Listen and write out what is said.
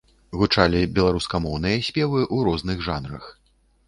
Гучалі беларускамоўныя спевы ў розных жанрах.